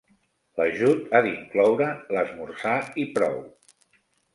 L'ajut ha d'incloure l'esmorzar i prou.